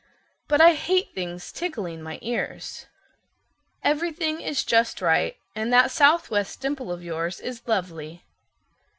But I hate things tickling my ears." "Everything is just right, and that southwest dimple of yours is lovely."